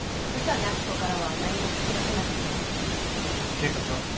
警察は？